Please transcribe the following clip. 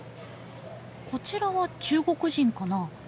こちらは中国人かな。